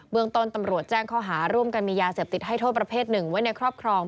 เมืองต้นตำรวจแจ้งข้อหาร่วมกันมียาเสพติดให้โทษประเภทหนึ่งไว้ในครอบครอง